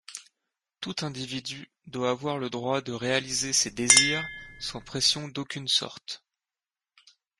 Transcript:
Tout individu doit avoir le droit de réaliser ses désirs sans pression d’aucune sorte.